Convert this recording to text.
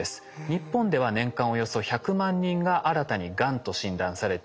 日本では年間およそ１００万人が新たにがんと診断されています。